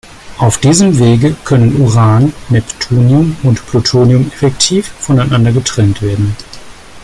Auf diesem Wege können Uran, Neptunium und Plutonium effektiv voneinander getrennt werden.